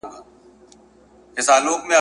خلکو لمر سپوږمۍ د ده قدرت بللای `